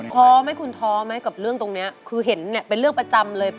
ท้อไหมคุณท้อไหมกับเรื่องตรงนี้คือเห็นเนี่ยเป็นเรื่องประจำเลย